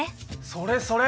それそれ！